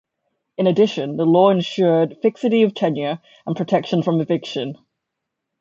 In addition, the law ensured fixity of tenure and protection from eviction.